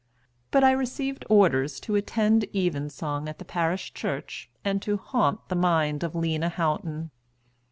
But I received orders to attend evensong at the parish church, and to haunt the mind of Lena Houghton.